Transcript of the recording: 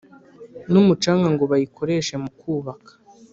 n’umucanga ngo bayikoreshe muku baka